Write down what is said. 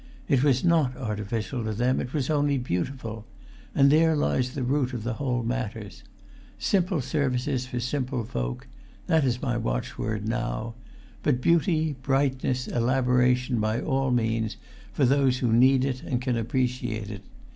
It was not artificial to them; it was only beautiful; and there lies the root of the whole matter. Simple services for simple folk—that is my watchword now—but beauty, brightness, elaboration by all means for those who need it and can appreciate it.